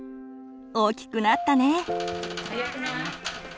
大きくなったね。